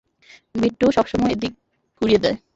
বিট্টো সবসময় এদিক ঘুরিয়ে দেয়।